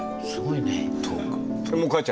すごいね。